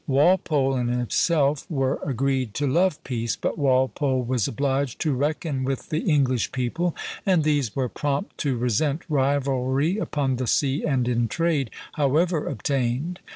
Walpole and himself were agreed to love peace; but Walpole was obliged to reckon with the English people, and these were prompt to resent rivalry upon the sea and in trade, however obtained.